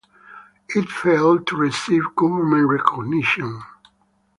It failed to receive government recognition.